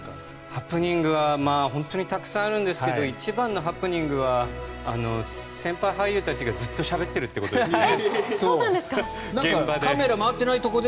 ハプニングは本当にたくさんあるんですけど一番のハプニングは先輩俳優たちがずっとしゃべってることですね。